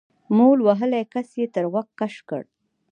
مول وهلي کس يې تر غوږ کش کړ.